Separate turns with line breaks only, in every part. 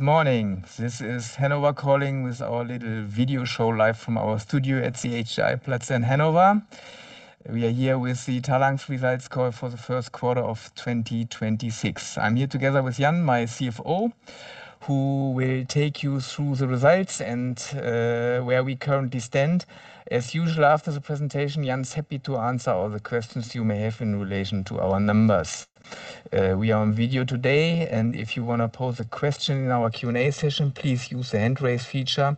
Good morning. This is Hannover calling with our little video show live from our studio at the HDI-Platz in Hannover. We are here with the Talanx results call for the first quarter of 2026. I'm here together with Jan, my CFO, who will take you through the results and where we currently stand. As usual, after the presentation, Jan's happy to answer all the questions you may have in relation to our numbers. We are on video today, and if you wanna pose a question in our Q&A session, please use the hand raise feature,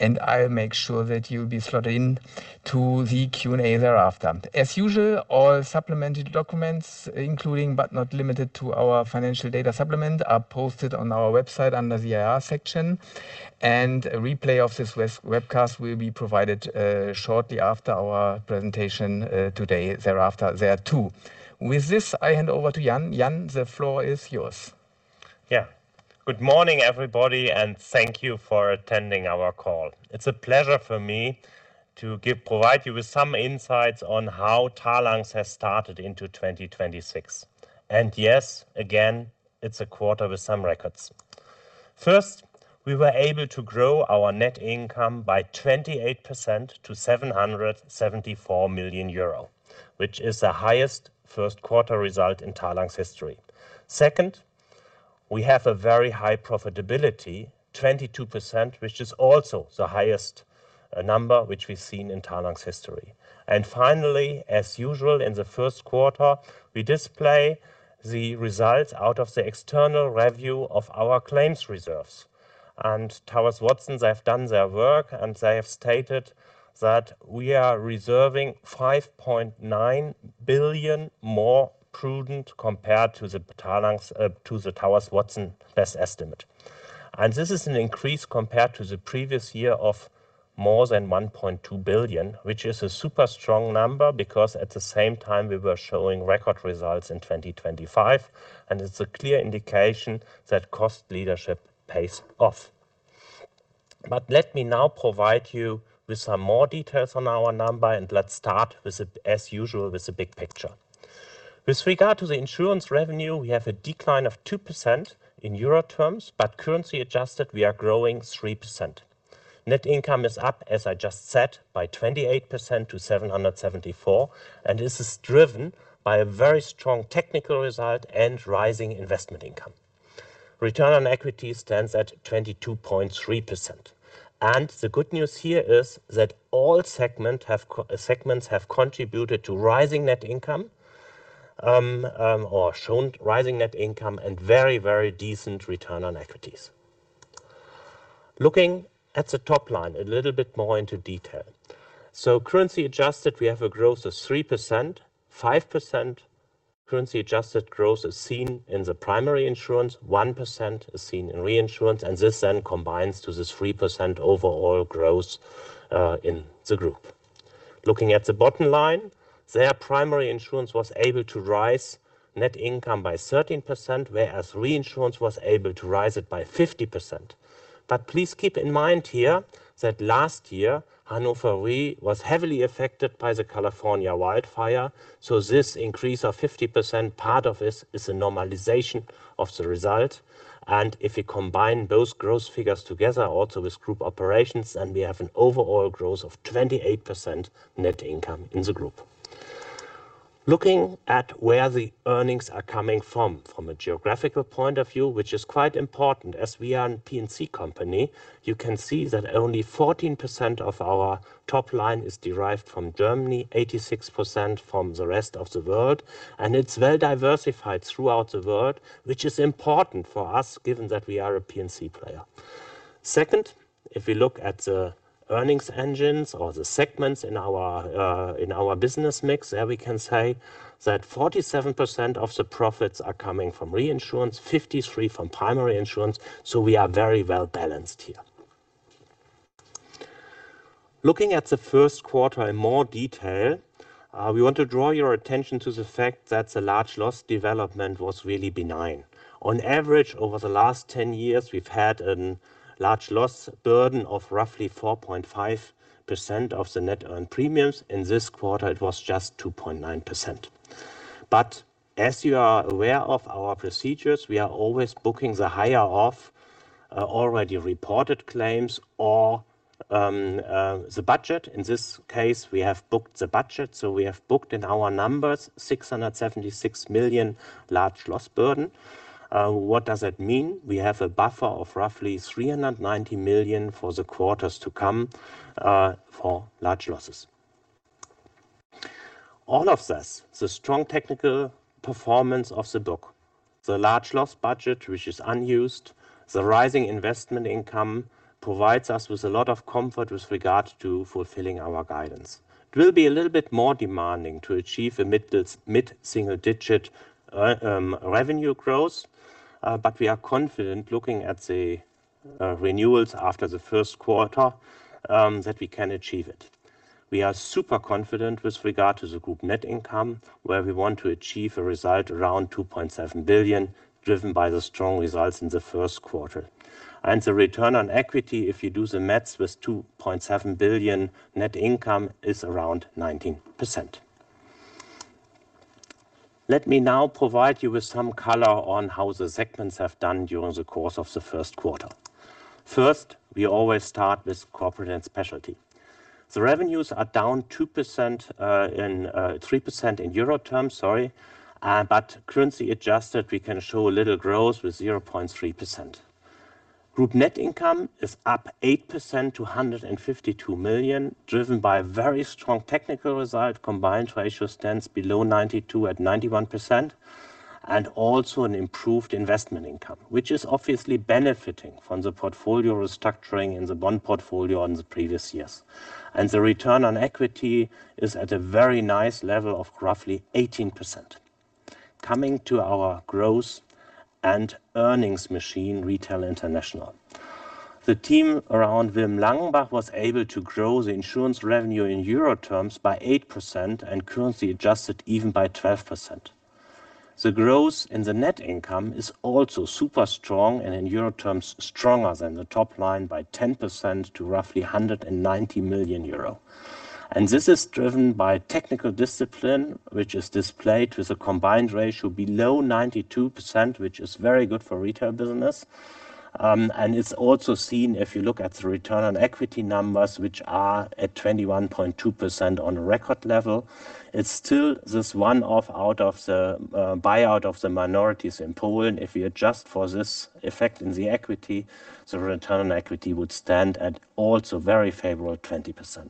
and I'll make sure that you'll be slotted in to the Q&A thereafter. As usual, all supplemented documents, including but not limited to our financial data supplement, are posted on our website under the IR section. A replay of this webcast will be provided shortly after our presentation today thereafter there too. With this, I hand over to Jan. Jan, the floor is yours.
Yeah. Good morning, everybody, and thank you for attending our call. It's a pleasure for me to provide you with some insights on how Talanx has started into 2026. Yes, again, it's a quarter with some records. First, we were able to grow our net income by 28% to 774 million euro, which is the highest first quarter result in Talanx history. Second, we have a very high profitability, 22%, which is also the highest number which we've seen in Talanx history. Finally, as usual, in the first quarter, we display the results out of the external review of our claims reserves. Towers Watson, they have done their work, and they have stated that we are reserving 5.9 billion more prudent compared to the Talanx to the Towers Watson best estimate. This is an increase compared to the previous year of more than 1.2 billion, which is a super strong number because at the same time, we were showing record results in 2025, and it's a clear indication that cost leadership pays off. Let me now provide you with some more details on our number, and let's start with the, as usual, with the big picture. With regard to the Insurance revenue, we have a decline of 2% in euro terms, but currency adjusted, we are growing 3%. Net income is up, as I just said, by 28% to 774 million, this is driven by a very strong technical result and rising investment income. Return on equity stands at 22.3%. The good news here is that all segments have contributed to rising net income, or shown rising net income and very, very decent return on equity. Looking at the top line a little bit more into detail. Currency adjusted, we have a growth of 3%. 5% currency adjusted growth is seen in the Primary Insurance, 1% is seen in Reinsurance, this then combines to this 3% overall growth in the Group. Looking at the bottom line, Primary Insurance was able to rise net income by 13%, whereas Reinsurance was able to rise it by 50%. Please keep in mind here that last year, Hannover Re was heavily affected by the California wildfire, so this increase of 50%, part of this is a normalization of the result. If we combine those growth figures together also with group operations, then we have an overall growth of 28% net income in the Group. Looking at where the earnings are coming from a geographical point of view, which is quite important as we are a P&C company, you can see that only 14% of our top line is derived from Germany, 86% from the rest of the world. It's well-diversified throughout the world, which is important for us given that we are a P&C player. Second, if we look at the earnings engines or the segments in our business mix, we can say that 47% of the profits are coming from Reinsurance, 53% from Primary Insurance, so we are very well-balanced here. Looking at the first quarter in more detail, we want to draw your attention to the fact that the large loss development was really benign. On average, over the last 10 years, we've had an large loss burden of roughly 4.5% of the net earned premiums. In this quarter, it was just 2.9%. As you are aware of our procedures, we are always booking the higher of already reported claims or the budget. In this case, we have booked the budget, so we have booked in our numbers 676 million large loss burden. What does that mean? We have a buffer of roughly 390 million for the quarters to come for large losses. All of this, the strong technical performance of the book, the large loss budget, which is unused, the rising investment income provides us with a lot of comfort with regard to fulfilling our guidance. It will be a little bit more demanding to achieve a mid- to mid-single-digit revenue growth, but we are confident looking at the renewals after the first quarter that we can achieve it. We are super confident with regard to the Group net income, where we want to achieve a result around 2.7 billion, driven by the strong results in the first quarter. The return on equity, if you do the math with 2.7 billion net income, is around 19%. Let me now provide you with some color on how the segments have done during the course of the first quarter. First, we always start with Corporate & Specialty. The revenues are down 2%, in 3% in euro terms, sorry. Currency adjusted, we can show a little growth with 0.3%. Group net income is up 8% to 152 million, driven by very strong technical result. Combined ratio stands below 92% at 91%. Also an improved investment income, which is obviously benefiting from the portfolio restructuring in the bond portfolio in the previous years. The return on equity is at a very nice level of roughly 18%. Coming to our growth and earnings machine, Retail International. The team around Wilm Langenbach was able to grow the Insurance revenue in euro terms by 8% and currency adjusted even by 12%. The growth in the net income is also super strong in euro terms, stronger than the top line by 10% to roughly 190 million euro. This is driven by technical discipline, which is displayed with a combined ratio below 92%, which is very good for Retail business. It's also seen if you look at the return on equity numbers, which are at 21.2% on a record level. It's still this one-off out of the buyout of the minorities in Poland. If you adjust for this effect in the equity, the return on equity would stand at also very favorable 20%.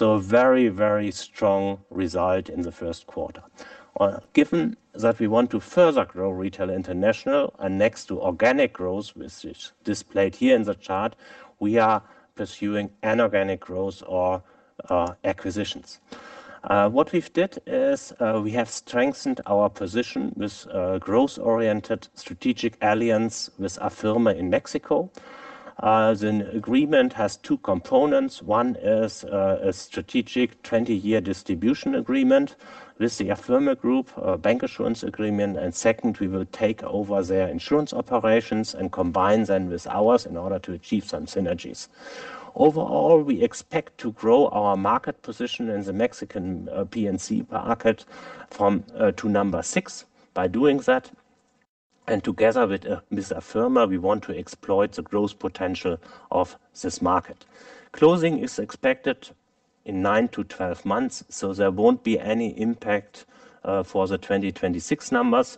A very, very strong result in the first quarter. Given that we want to further grow Retail International and next to organic growth, which is displayed here in the chart, we are pursuing inorganic growth or acquisitions. What we've did is, we have strengthened our position with a growth-oriented strategic alliance with Afirme in Mexico. The agreement has two components. One is a strategic 20-year distribution agreement with the Afirme Group, a bancassurance agreement. Second, we will take over their insurance operations and combine them with ours in order to achieve some synergies. Overall, we expect to grow our market position in the Mexican P&C market from to number six by doing that. Together with Afirme, we want to exploit the growth potential of this market. Closing is expected in nine to 12 months, so there won't be any impact for the 2026 numbers.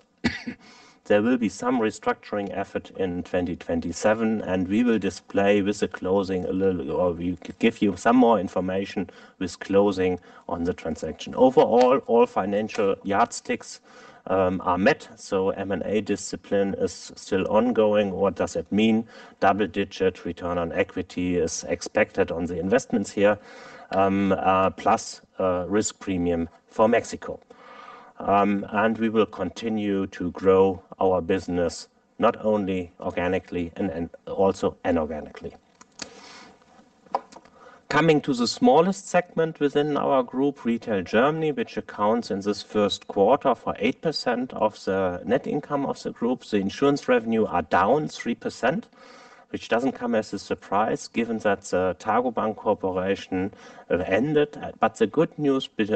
There will be some restructuring effort in 2027. We will display with the closing or we give you some more information with closing on the transaction. Overall, all financial yardsticks are met. M&A discipline is still ongoing. What does it mean? Double-digit return on equity is expected on the investments here, plus a risk premium for Mexico. We will continue to grow our business not only organically and also inorganically. Coming to the smallest segment within our Group, Retail Germany, which accounts in this first quarter for 8% of the net income of the Group. The Insurance revenue are down 3%, which doesn't come as a surprise given that Targobank cooperation have ended. The good news be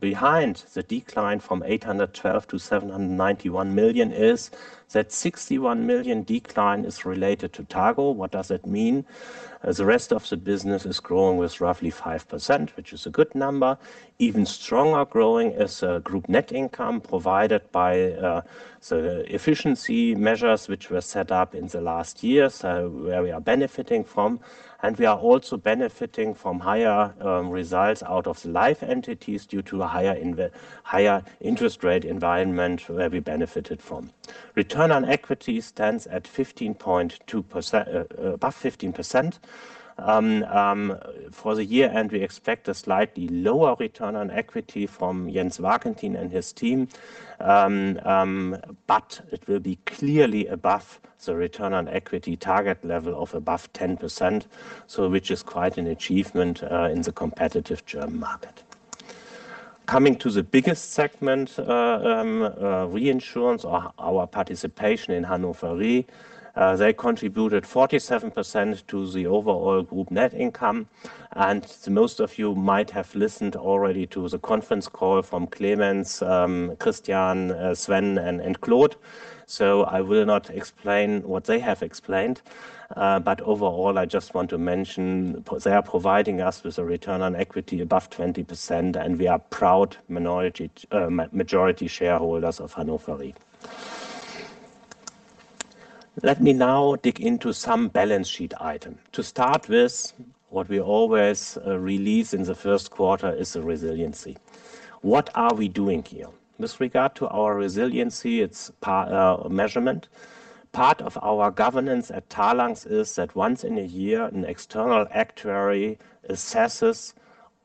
behind the decline from 812 million to 791 million is that 61 million decline is related to Targobank. What does it mean? The rest of the business is growing with roughly 5%, which is a good number. Even stronger growing is group net income provided by the efficiency measures which were set up in the last year, so where we are benefiting from. We are also benefiting from higher results out of life entities due to a higher interest rate environment where we benefited from. Return on equity stands at 15.2%, above 15%. For the year end, we expect a slightly lower return on equity from Jens Warkentin and his team. It will be clearly above the return on equity target level of above 10%, which is quite an achievement in the competitive German market. Coming to the biggest segment, Reinsurance or our participation in Hannover Re. They contributed 47% to the overall group net income. Most of you might have listened already to the conference call from Clemens, Christian, Sven, and Claude. I will not explain what they have explained. Overall, I just want to mention they are providing us with a return on equity above 20%, and we are proud minority, majority shareholders of Hannover Re. Let me now dig into some balance sheet item. To start with, what we always release in the first quarter is the resiliency. What are we doing here? With regard to our resiliency, it's measurement. Part of our governance at Talanx is that once in a year, an external actuary assesses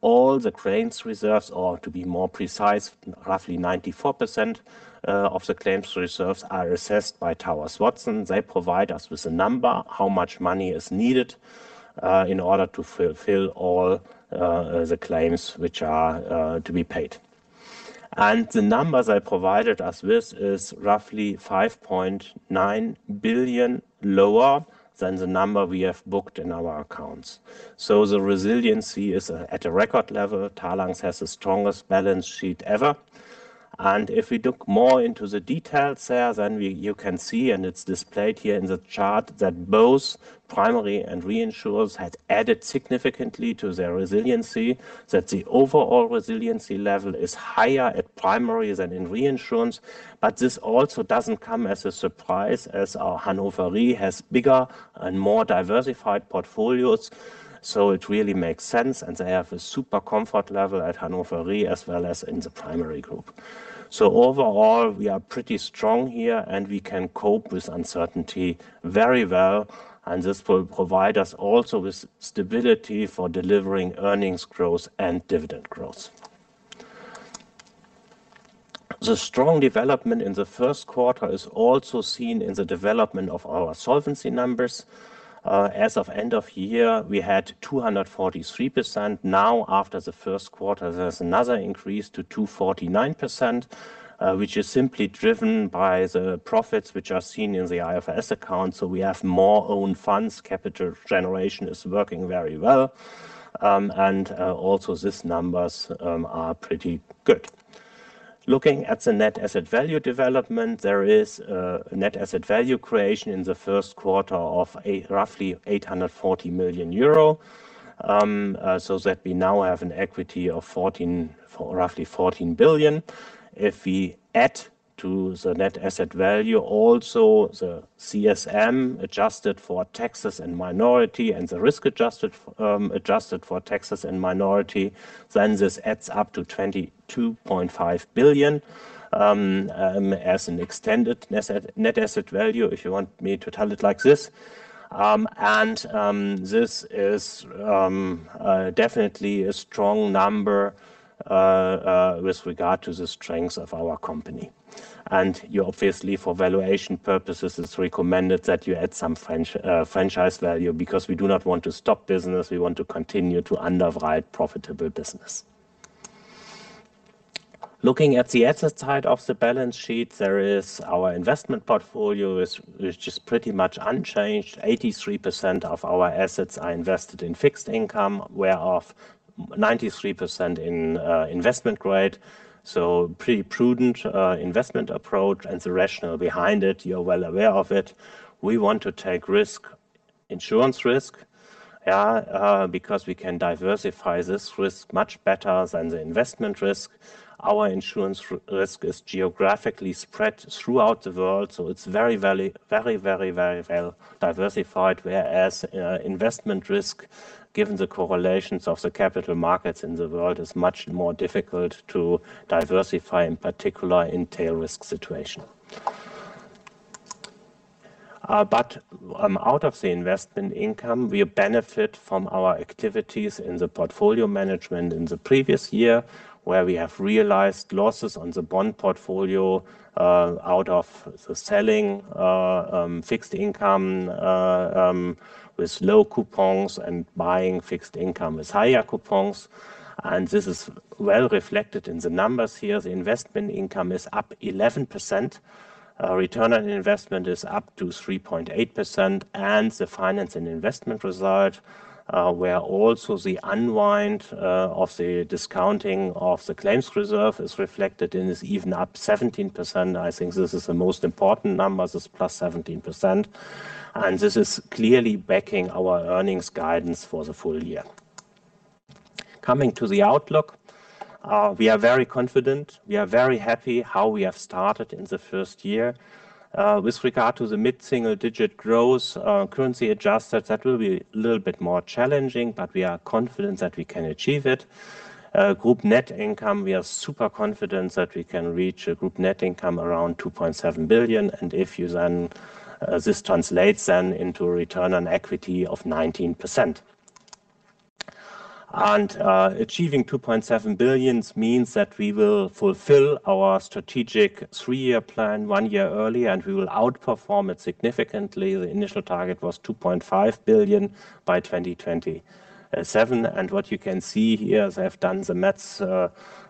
all the claims reserves. Or to be more precise, roughly 94% of the claims reserves are assessed by Towers Watson. They provide us with a number, how much money is needed in order to fulfill all the claims which are to be paid. The numbers they provided us with is roughly 5.9 billion lower than the number we have booked in our accounts. The resiliency is at a record level. Talanx has the strongest balance sheet ever. If we look more into the details there, then you can see, and it's displayed here in the chart, that both Primary and Reinsurers had added significantly to their resiliency, that the overall resiliency level is higher at Primary than in Reinsurance. This also doesn't come as a surprise as our Hannover Re has bigger and more diversified portfolios, so it really makes sense, and they have a super comfort level at Hannover Re as well as in the Primary Group. Overall, we are pretty strong here, and we can cope with uncertainty very well, and this will provide us also with stability for delivering earnings growth and dividend growth. The strong development in the first quarter is also seen in the development of our solvency numbers. As of end of year, we had 243%. After the first quarter, there's another increase to 249%, which is simply driven by the profits which are seen in the IFRS account. We have more own funds. Capital generation is working very well. Also these numbers are pretty good. Looking at the net asset value development, there is a net asset value creation in the first quarter of roughly 840 million euro, so that we now have an equity of roughly 14 billion. If we add to the net asset value also the CSM adjusted for taxes and minority and the risk adjusted for taxes and minority, then this adds up to 22.5 billion as an extended net asset value, if you want me to tell it like this. This is definitely a strong number with regard to the strengths of our company. You obviously, for valuation purposes, it's recommended that you add some franchise value because we do not want to stop business. We want to continue to underwrite profitable business. Looking at the asset side of the balance sheet, our investment portfolio is just pretty much unchanged. 83% of our assets are invested in fixed income, whereof 93% in investment grade. Pretty prudent investment approach and the rationale behind it, you're well aware of it. We want to take insurance risk because we can diversify this risk much better than the investment risk. Our insurance risk is geographically spread throughout the world, so it's very, very, very, very, very well diversified. Investment risk, given the correlations of the capital markets in the world, is much more difficult to diversify, in particular in tail risk situation. Out of the investment income, we benefit from our activities in the portfolio management in the previous year, where we have realized losses on the bond portfolio, out of the selling fixed income with low coupons and buying fixed income with higher coupons. This is well reflected in the numbers here. The investment income is up 11%. Return on investment is up to 3.8%. The finance and investment result, where also the unwind of the discounting of the claims reserve is reflected in this even up 17%. I think this is the most important number. This is +17%. This is clearly backing our earnings guidance for the full year. Coming to the outlook, we are very confident. We are very happy how we have started in the first year. With regard to the mid-single-digit growth, currency adjusted, that will be a little bit more challenging, but we are confident that we can achieve it. Group net income, we are super confident that we can reach a Group net income around 2.7 billion. If you then, this translates then into a return on equity of 19%. Achieving 2.7 billion means that we will fulfill our strategic three-year plan one year early, and we will outperform it significantly. The initial target was 2.5 billion by 2027. What you can see here is I have done the math,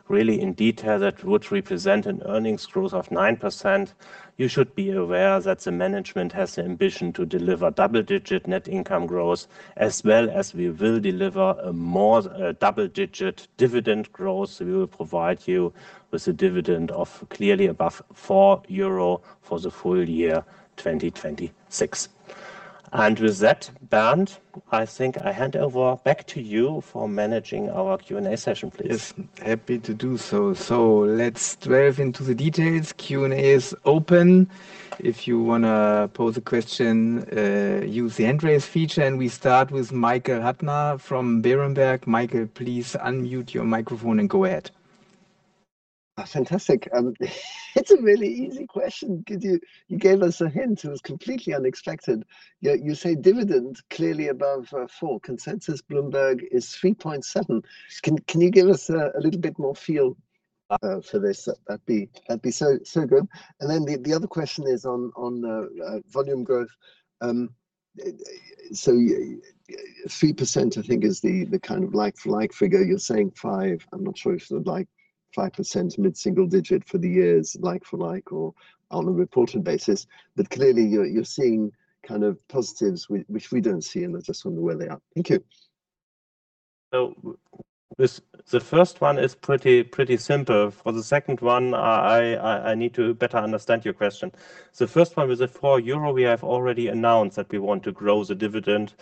really in detail. That would represent an earnings growth of 9%. You should be aware that the management has the ambition to deliver double-digit net income growth, as well as we will deliver a more double-digit dividend growth. We will provide you with a dividend of clearly above 4 euro for the full year 2026. With that, Bernd, I think I hand over back to you for managing our Q&A session, please.
Yes, happy to do so. Let's delve into the details. Q&A is open. If you wanna pose a question, use the hand raise feature. We start with Michael Huttner from Berenberg. Michael, please unmute your microphone and go ahead.
Fantastic. It's a really easy question. You gave us a hint. It was completely unexpected. You say dividend clearly above 4. Consensus Bloomberg is 3.7. Can you give us a little bit more feel for this? That'd be so good. The other question is on volume growth. 3%, I think, is the kind of like for like figure. You're saying 5%. I'm not sure if the like 5% is mid-single digit for the years like for like or on a reported basis. Clearly you're seeing kind of positives which we don't see, and I just wonder where they are. Thank you.
This, the first one is pretty simple. For the second one, I need to better understand your question. The first one was that for euro we have already announced that we want to grow the dividend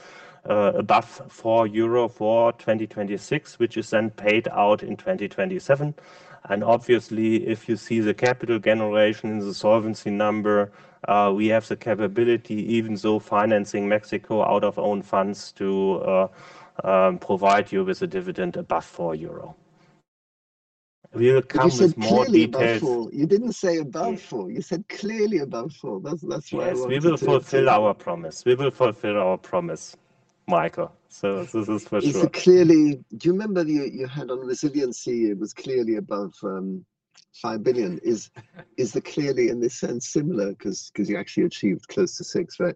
above 4 euro for 2026, which is then paid out in 2027. Obviously, if you see the capital generation, the solvency number, we have the capability, even though financing Mexico out of own funds, to provide you with a dividend above 4 euro. We will come with more details.
You said clearly above four. You didn't say above 4. You said clearly above 4.
Yes, we will fulfill our promise. We will fulfill our promise, Michael. This is for sure.
Do you remember you had on resiliency, it was clearly above 5 billion. Is the clearly in this sense similar? 'Cause you actually achieved close to 6 billion,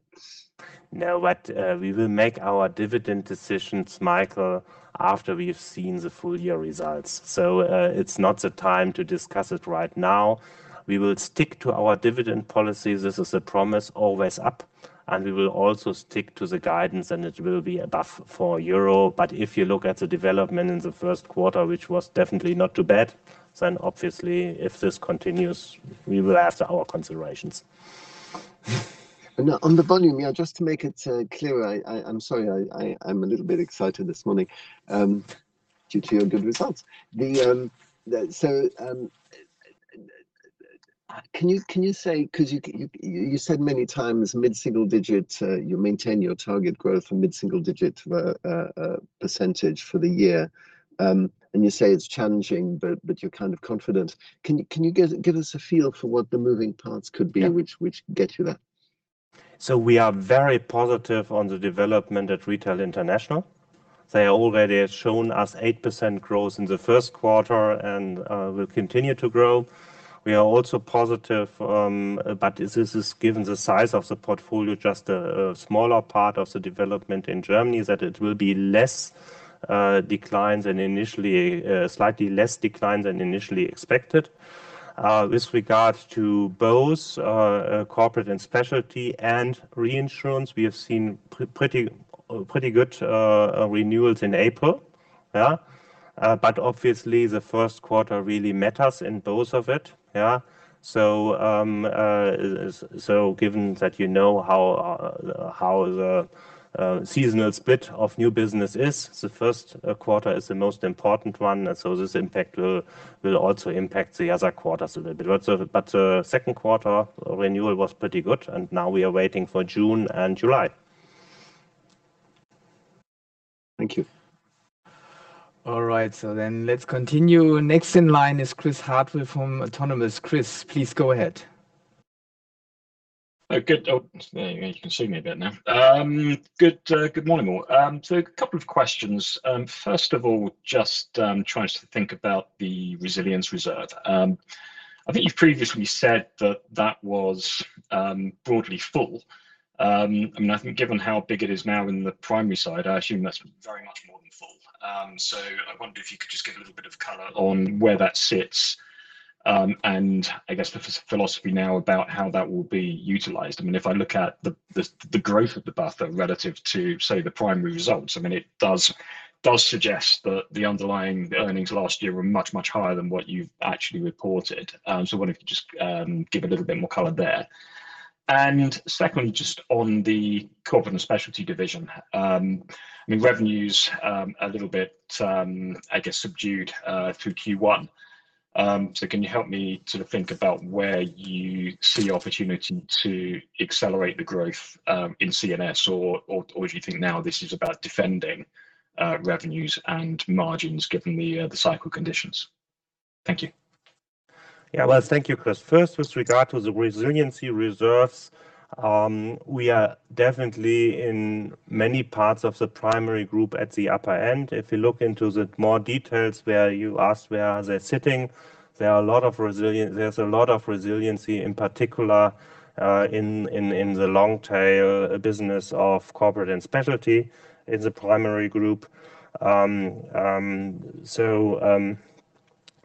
right?
We will make our dividend decisions, Michael, after we've seen the full year results. It's not the time to discuss it right now. We will stick to our dividend policy. This is a promise, always up, and we will also stick to the guidance, and it will be above 4 euro. If you look at the development in the first quarter, which was definitely not too bad, obviously, if this continues, we will have our considerations.
On the volume, yeah, just to make it clear, I'm sorry, I'm a little bit excited this morning, due to your good results. Can you say, because you said many times mid-single digit, you maintain your target growth for mid-single digit percentage for the year. You say it's challenging, but you're kind of confident. Can you give us a feel for what the moving parts could be? And which get you that?
We are very positive on the development at Retail International. They already have shown us 8% growth in the first quarter and will continue to grow. We are also positive, but this is given the size of the portfolio, just a smaller part of the development in Germany, is that it will be less declines than initially, slightly less decline than initially expected. With regards to both Corporate & Specialty and Reinsurance, we have seen pretty good renewals in April. Yeah. Obviously the first quarter really matters in both of it. Yeah. Given that you know how the seasonal split of new business is, the first quarter is the most important one. This impact will also impact the other quarters a little bit. Second quarter renewal was pretty good, and now we are waiting for June and July.
Thank you.
All right. Let's continue. Next in line is Chris Hartwell from Autonomous. Chris, please go ahead.
Oh, good. Oh, there you can see me a bit now. Good morning, all. A couple of questions. First of all, just trying to think about the resilience reserve. I think you've previously said that that was broadly full. I mean, I think given how big it is now in the Primary side, I assume that's very much more than full. I wonder if you could just give a little bit of color on where that sits, and I guess the philosophy now about how that will be utilized. I mean, if I look at the, the growth of the buffer relative to, say, the Primary results, I mean, it does suggest that the underlying earnings last year were much higher than what you've actually reported. I wonder if you could just give a little bit more color there. Secondly, just on the Corporate & Specialty division, I mean, revenues, a little bit, I guess subdued, through Q1. Can you help me sort of think about where you see opportunity to accelerate the growth in C&S? Or do you think now this is about defending revenues and margins given the cycle conditions? Thank you.
Yeah. Well, thank you, Chris. First, with regard to the resiliency reserves, we are definitely in many parts of the Primary Group at the upper end. If you look into the more details where you ask where they're sitting, there's a lot of resiliency, in particular, in the long tail business of Corporate & Specialty in the Primary Group.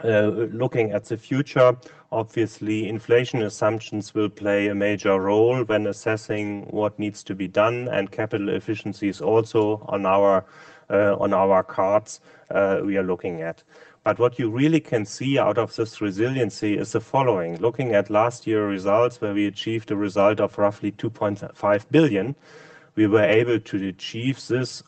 Looking at the future, obviously inflation assumptions will play a major role when assessing what needs to be done, and capital efficiency is also on our cards we are looking at. What you really can see out of this resiliency is the following. Looking at last year results where we achieved a result of roughly 2.5 billion, we were able to achieve this.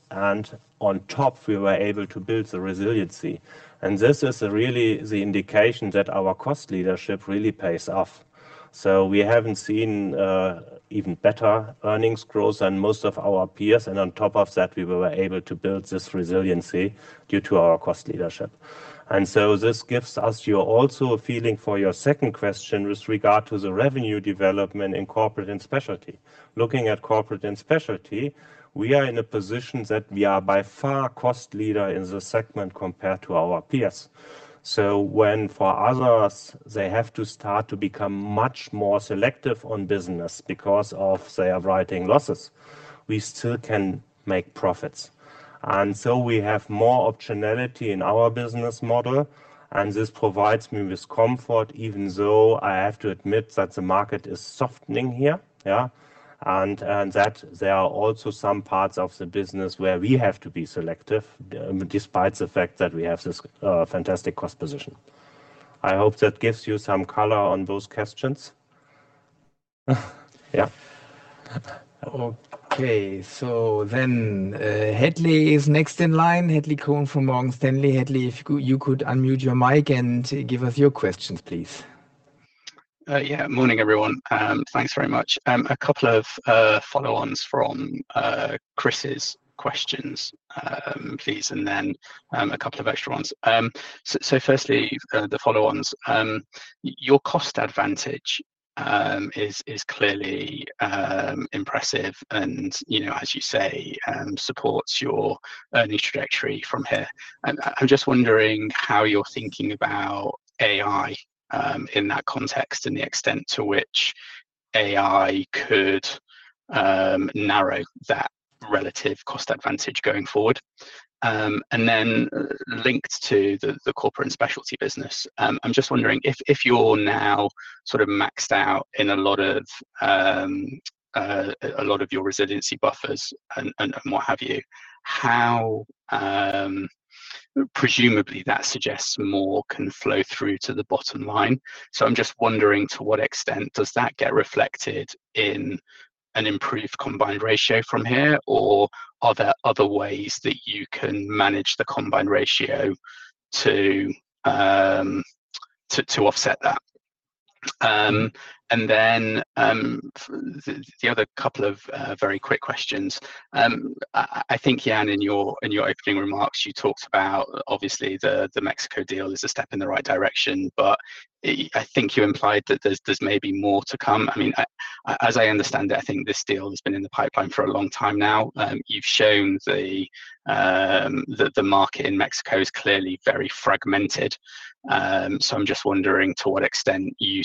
On top we were able to build the resiliency. This is really the indication that our cost leadership really pays off. We haven't seen even better earnings growth than most of our peers. On top of that, we were able to build this resiliency due to our cost leadership. This gives us you also a feeling for your second question with regard to the revenue development in Corporate & Specialty. Looking at Corporate & Specialty, we are in a position that we are by far cost leader in the segment compared to our peers. When for others, they have to start to become much more selective on business because of their writing losses, we still can make profits. We have more optionality in our business model, and this provides me with comfort, even though I have to admit that the market is softening here. There are also some parts of the business where we have to be selective, despite the fact that we have this fantastic cost position. I hope that gives you some color on those questions.
Okay. Hadley is next in line. Hadley Cohen from Morgan Stanley. Hadley, if you could unmute your mic and give us your questions, please.
Yeah. Morning, everyone. Thanks very much. A couple of follow-ons from Chris's questions, please, and then a couple of extra ones. Firstly, the follow-ons. Your cost advantage is clearly impressive and, you know, as you say, supports your earnings trajectory from here. I'm just wondering how you're thinking about AI in that context and the extent to which AI could narrow that relative cost advantage going forward. Then linked to the Corporate & Specialty business, I'm just wondering if you're now sort of maxed out in a lot of your resiliency buffers and what have you, how presumably that suggests more can flow through to the bottom line? I'm just wondering to what extent does that get reflected in an improved combined ratio from here, or are there other ways that you can manage the combined ratio to offset that? The other couple of very quick questions. I think, Jan, in your opening remarks, you talked about obviously the Mexico deal is a step in the right direction. I think you implied that there's maybe more to come. I mean, as I understand it, I think this deal has been in the pipeline for a long time now. You've shown the market in Mexico is clearly very fragmented. I'm just wondering to what extent you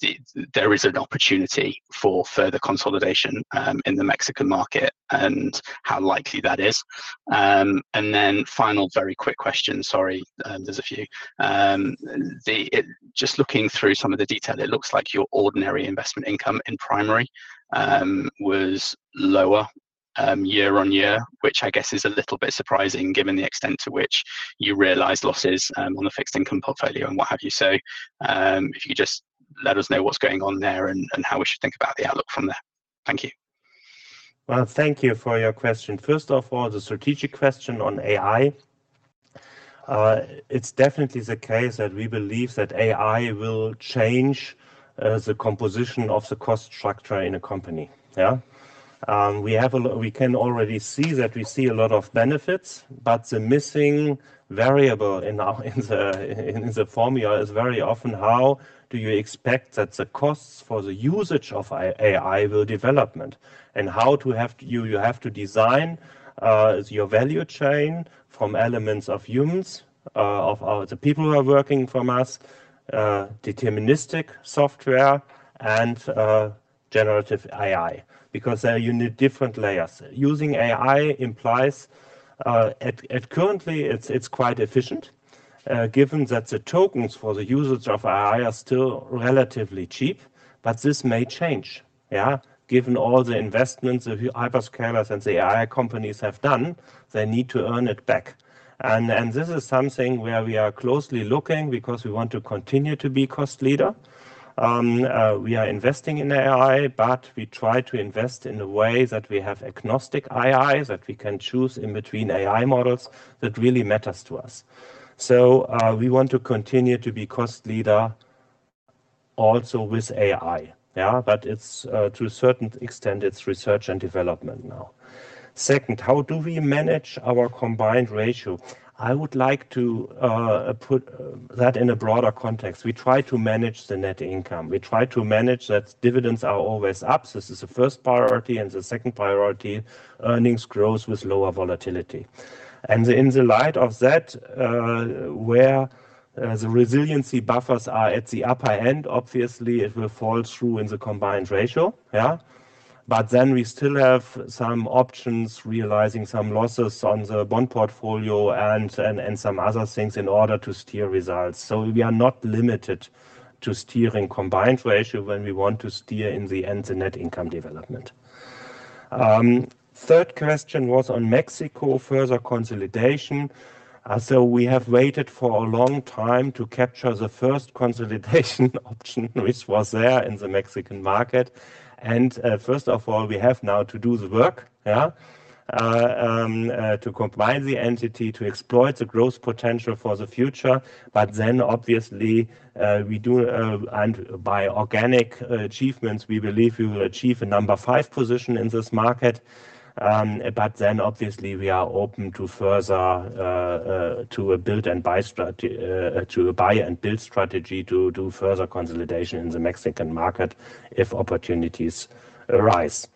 see there is an opportunity for further consolidation in the Mexican market and how likely that is. Final very quick question. Sorry, there's a few. The just looking through some of the detail, it looks like your ordinary investment income in Primary was lower year on year, which I guess is a little bit surprising given the extent to which you realized losses on the fixed income portfolio and what have you. If you could just let us know what's going on there and how we should think about the outlook from there. Thank you.
Well, thank you for your question. First of all, the strategic question on AI. It's definitely the case that we believe that AI will change the composition of the cost structure in a company. Yeah? We can already see that. The missing variable in our in the formula is very often how do you expect that the costs for the usage of AI will development, and how to have you have to design your value chain from elements of humans, of the people who are working from us, deterministic software and generative AI because you need different layers. Using AI implies, at currently it's quite efficient, given that the tokens for the usage of AI are still relatively cheap, but this may change. Yeah. Given all the investments the hyperscalers and the AI companies have done, they need to earn it back. This is something where we are closely looking because we want to continue to be cost leader. We are investing in AI, we try to invest in a way that we have agnostic AI, that we can choose in between AI models that really matters to us. We want to continue to be cost leader also with AI. Yeah. It's to a certain extent it's research and development now. Second, how do we manage our combined ratio? I would like to put that in a broader context. We try to manage the net income. We try to manage that dividends are always up. This is the first priority. The second priority, earnings growth with lower volatility. In the light of that, where the resiliency buffers are at the upper end, obviously it will fall through in the combined ratio. We still have some options, realizing some losses on the bond portfolio and some other things in order to steer results. We are not limited to steering combined ratio when we want to steer in the end the net income development. Third question was on Mexico further consolidation. We have waited for a long time to capture the first consolidation option which was there in the Mexican market. First of all, we have now to do the work to combine the entity, to exploit the growth potential for the future. Obviously, we do, and by organic achievements, we believe we will achieve a number five position in this market. Obviously we are open to further to a build and buy strategy, to a buy and build strategy to do further consolidation in the Mexican market if opportunities arise.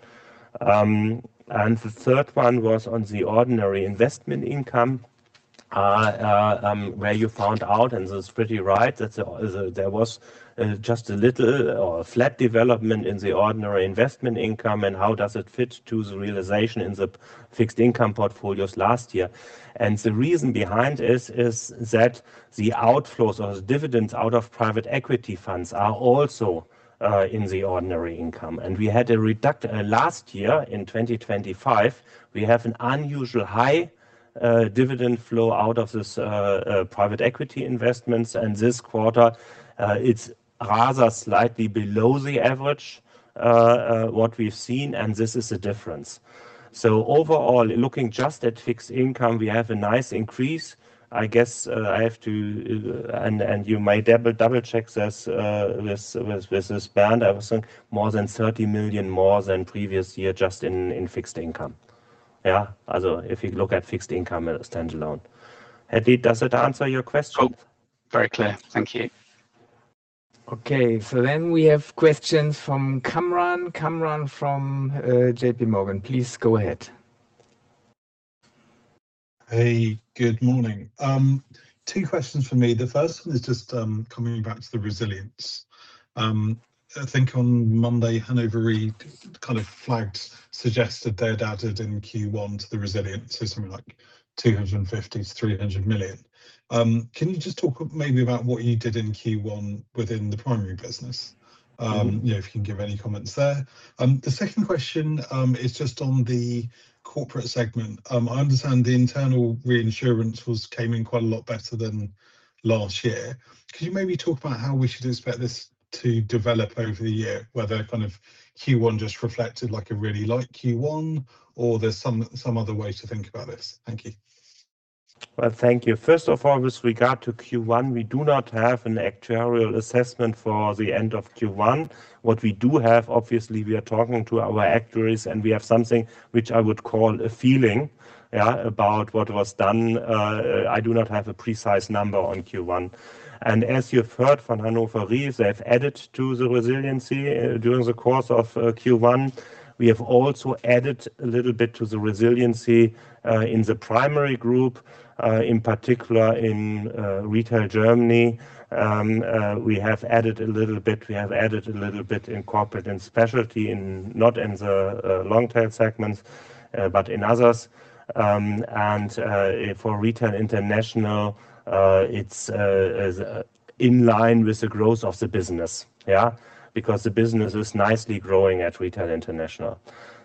The third one was on the ordinary investment income, where you found out, and this is pretty right, that there was just a little flat development in the ordinary investment income and how does it fit to the realization in the fixed income portfolios last year. The reason behind this is that the outflows or the dividends out of private equity funds are also in the ordinary income. We had a last year, in 2025, we have an unusual high dividend flow out of this private equity investments, and this quarter, it's rather slightly below the average what we've seen, and this is the difference. Overall, looking just at fixed income, we have a nice increase. I guess, I have to, and you might double-check this with this Bernd. I will say more than 30 million more than previous year just in fixed income. Yeah? Also, if you look at fixed income as standalone. Hadley, does that answer your question?
Oh, very clear. Thank you.
We have questions from Kamran. Kamran from JPMorgan. Please go ahead.
Hey, good morning. Two questions from me. The first one is just coming back to the resilience. I think on Monday, Hannover Re kind of flagged, suggested they had added in Q1 to the resilience. Something like 250 million-300 million. Can you just talk maybe about what you did in Q1 within the Primary business? You know, if you can give any comments there. The second question is just on the Corporate segment. I understand the internal reinsurance came in quite a lot better than last year. Could you maybe talk about how we should expect this to develop over the year? Whether kind of Q1 just reflected like a really light Q1, or there's some other way to think about this. Thank you.
Well, thank you. First of all, with regard to Q1, we do not have an actuarial assessment for the end of Q1. What we do have, obviously we are talking to our actuaries, and we have something which I would call a feeling, yeah, about what was done. I do not have a precise number on Q1. As you have heard from Hannover Re, they have added to the resiliency during the course of Q1. We have also added a little bit to the resiliency in the Primary group, in particular in Retail Germany. We have added a little bit in Corporate & Specialty, not in the long tail segments, but in others. For Retail International, it's in line with the growth of the business. Yeah. The business is nicely growing at Retail International.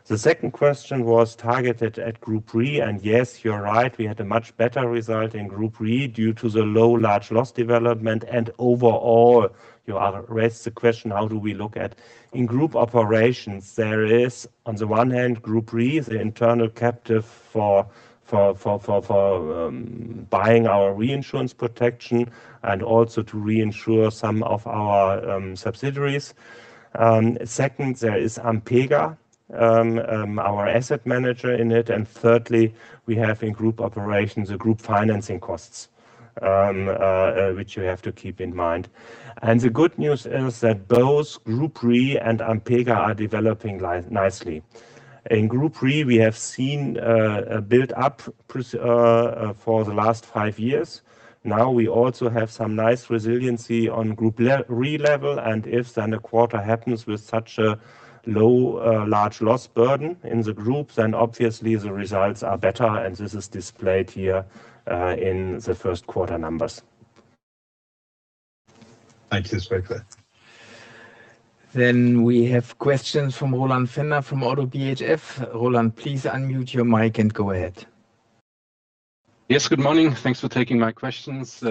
The second question was targeted at Group Re. Yes, you're right, we had a much better result in Group Re due to the low large loss development. Overall, you raised the question, how do we look at? In Group operations, there is, on the one hand, Group Re, the internal captive for buying our reinsurance protection and also to reinsure some of our subsidiaries. Second, there is Ampega, our asset manager in it. Thirdly, we have in group operations the Group financing costs, which you have to keep in mind. The good news is that both Group Re and Ampega are developing nicely. In Group Re we have seen a build-up for the last five years. Now we also have some nice resiliency on Group Re level. If then a quarter happens with such a low, large loss burden in the group, then obviously the results are better, and this is displayed here in the first quarter numbers.
Thank you. It's very clear.
We have questions from Roland Pfänder from ODDO BHF. Roland, please unmute your mic and go ahead.
Yes. Good morning. Thanks for taking my questions.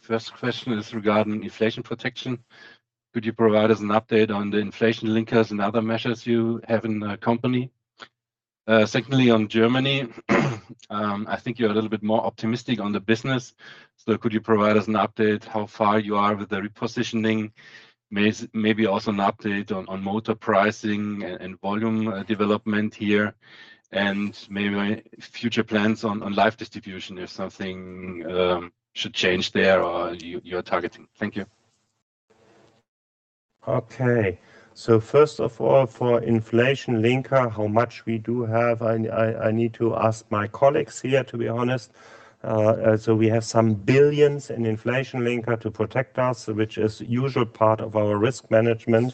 First question is regarding inflation protection. Could you provide us an update on the inflation linkers and other measures you have in the company? Secondly, on Germany, I think you're a little bit more optimistic on the business, could you provide us an update how far you are with the repositioning? Maybe also an update on motor pricing and volume development here, and maybe any future plans on life distribution if something should change there or you're targeting. Thank you.
Okay. First of all, for inflation-linked bond, how much we do have, I need to ask my colleagues here, to be honest. We have some billions in inflation-linked bond to protect us, which is usual part of our risk management.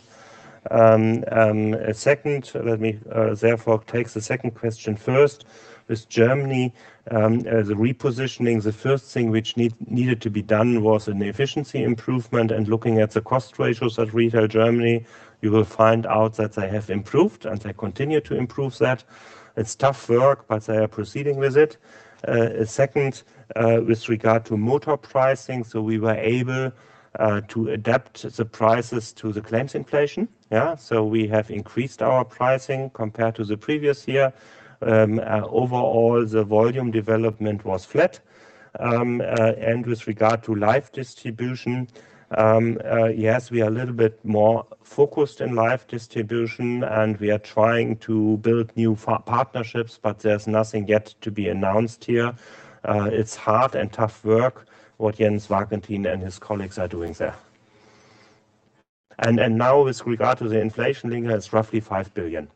Second, let me therefore take the second question first. With Germany, the repositioning, the first thing which needed to be done was an efficiency improvement. Looking at the cost ratios at Retail Germany, you will find out that they have improved, and they continue to improve that. It's tough work, but they are proceeding with it. Second, with regard to motor pricing, we were able to adapt the prices to the claims inflation. Yeah. We have increased our pricing compared to the previous year. Overall, the volume development was flat. With regard to life distribution, yes, we are a little bit more focused in life distribution, and we are trying to build new partnerships, but there's nothing yet to be announced here. It's hard and tough work what Jens Warkentin and his colleagues are doing there. Now with regard to the inflation-linked bond, it's roughly 5 billion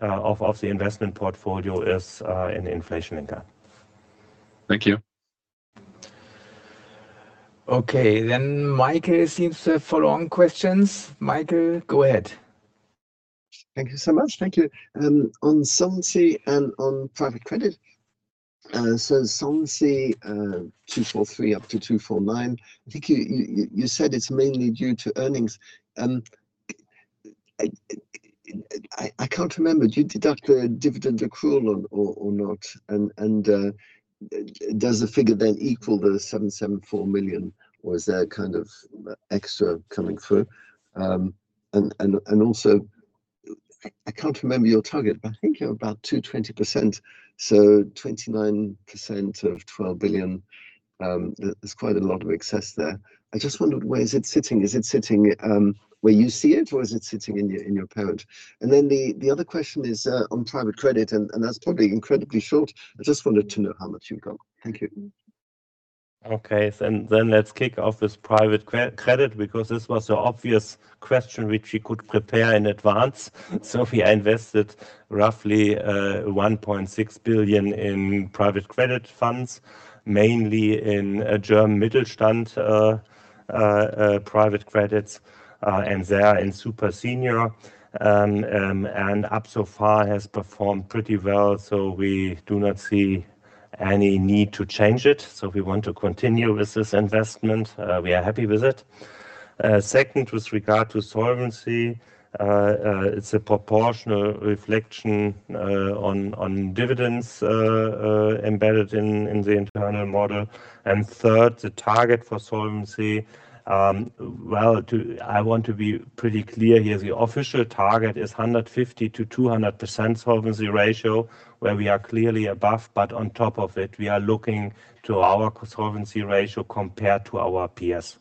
of the investment portfolio is in inflation-linked bond.
Thank you.
Okay. Michael seems to have follow-on questions. Michael, go ahead.
Thank you so much. Thank you. On solvency and on private credit, so solvency, 243 up to 249, I think you said it's mainly due to earnings. I can't remember. Do you deduct a dividend accrual or not? Does the figure then equal the 774 million, or is there kind of extra coming through? Also, I can't remember your target, but I think you're about 220%, so 29% of 12 billion, there's quite a lot of excess there. I just wondered where is it sitting? Is it sitting where you see it, or is it sitting in your parent? The other question is on private credit, that's probably incredibly short. I just wanted to know how much you've got. Thank you.
Okay. Let's kick off this private credit because this was the obvious question which we could prepare in advance. We invested roughly 1.6 billion in private credit funds, mainly in German Mittelstand private credits, and they are in super senior. Up so far has performed pretty well, we do not see any need to change it, we want to continue with this investment. We are happy with it. Second, with regard to solvency, it's a proportional reflection on dividends embedded in the internal model. Third, the target for solvency, I want to be pretty clear here. The official target is 150%-200% solvency ratio, where we are clearly above. On top of it, we are looking to our solvency ratio compared to our peers.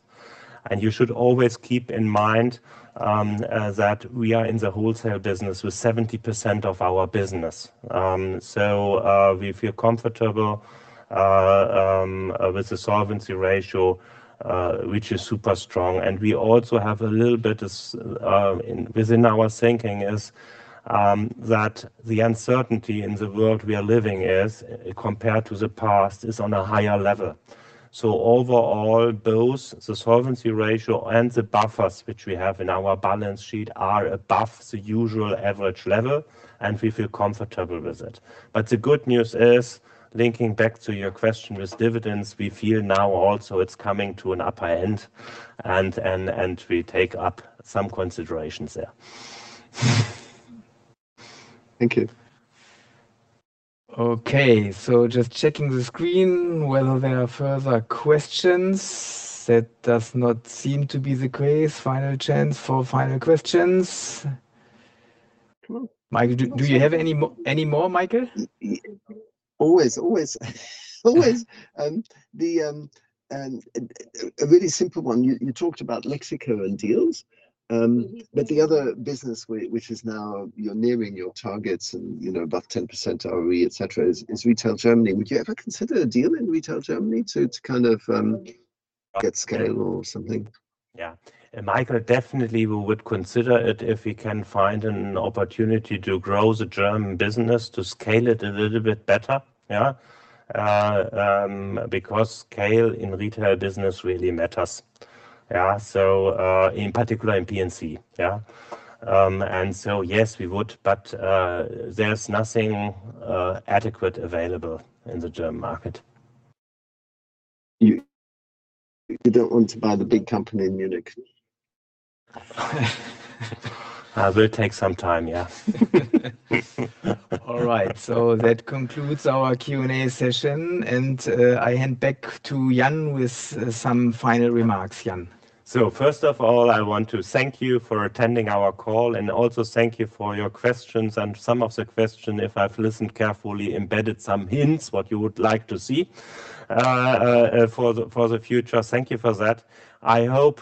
You should always keep in mind that we are in the wholesale business with 70% of our business. We feel comfortable with the solvency ratio, which is super strong. We also have a little bit within our thinking is that the uncertainty in the world we are living is, compared to the past, is on a higher level. Overall, both the solvency ratio and the buffers which we have in our balance sheet are above the usual average level, and we feel comfortable with it. The good news is, linking back to your question with dividends, we feel now also it's coming to an upper end, and we take up some considerations there.
Thank you.
Okay. Just checking the screen whether there are further questions. That does not seem to be the case. Final chance for final questions. Michael, do you have any more, Michael?
Always, always, always. A really simple one. You talked about Mexico and deals. The other business which is now you're nearing your targets and, you know, above 10% ROE, et cetera, is Retail Germany. Would you ever consider a deal in Retail Germany to kind of get scale or something?
Yeah. Michael, definitely we would consider it if we can find an opportunity to grow the German business, to scale it a little bit better. Yeah. Because scale in Retail business really matters. Yeah. In particular in P&C. Yeah. Yes, we would, but there's nothing adequate available in the German market.
You don't want to buy the big company in Munich?
Will take some time, yeah.
All right. That concludes our Q&A session, and I hand back to Jan with some final remarks. Jan.
First of all, I want to thank you for attending our call, and also thank you for your questions. Some of the question, if I've listened carefully, embedded some hints what you would like to see for the future. Thank you for that. I hope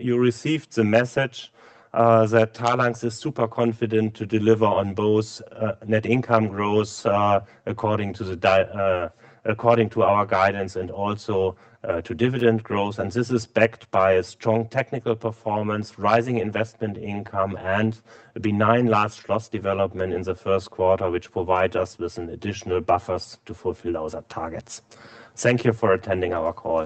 you received the message that Talanx is super confident to deliver on both net income growth according to our guidance, and also to dividend growth. This is backed by a strong technical performance, rising investment income, and a benign large loss development in the first quarter, which provide us with an additional buffers to fulfill those targets. Thank you for attending our call.